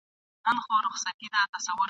او حتی نه د عبدالقادر خان خټک !.